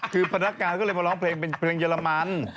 คือพนักงานก็เลยมาร้องเพลงเป็นเพลงเยอรมัน